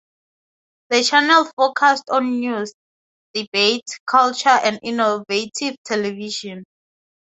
The channel focused on news, debate, culture and innovative television.